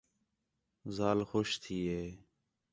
ذال خوش تھی ہِے